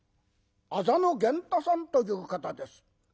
「あざの源太さんという方です」。